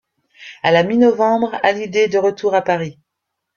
À la mi novembre, Hallyday est de retour à Paris.